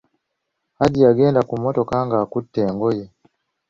Hajji yagenda ku mmotoka, ng'akutte engoye.